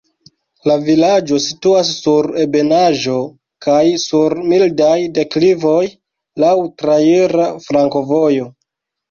La vilaĝo situas sur ebenaĵo kaj sur mildaj deklivoj, laŭ traira flankovojo.